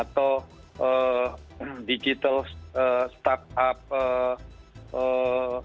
kita ingin menggunakan perusahaan yang berbeda